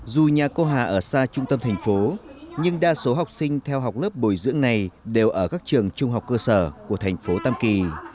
dù nhà cô hà ở xa trung tâm thành phố nhưng đa số học sinh theo học lớp bồi dưỡng này đều ở các trường trung học cơ sở của thành phố tam kỳ